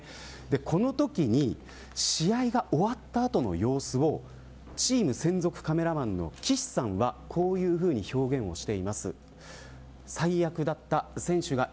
このときに試合が終わった後の様子をチーム専属カメラマンの岸さんはこのように表現しています。